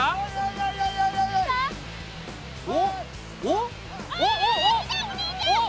おっ！